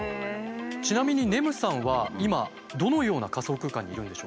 ちなみにねむさんは今どのような仮想空間にいるんでしょうか？